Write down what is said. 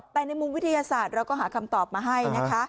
แต่ในมุมวิทยาศาสตร์เราก็หาคำตอบมาให้นะคะ